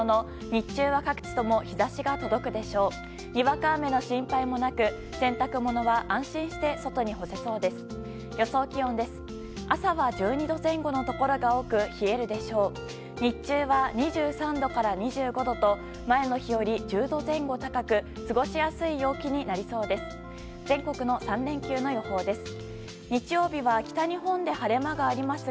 日中は２３度から２５度と前の日より１０度前後高く過ごしやすい陽気になりそうです。